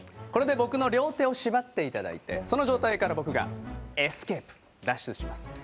これで僕の両手を縛っていただいてその状態から僕がエスケープ脱出します。